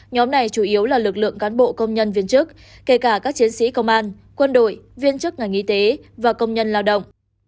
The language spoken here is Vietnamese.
nhóm này chủ yếu là lực lượng cán bộ công nhân viên chức kể cả các chiến sĩ công an quân đội viên chức ngành y tế và công nhân lao động